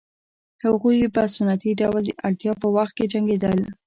هغوی په سنتي ډول د اړتیا په وخت کې جنګېدل